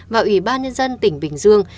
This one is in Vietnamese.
và ủy ban nhân dân tỉnh bình dương